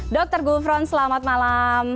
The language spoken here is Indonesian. dokter gufron selamat malam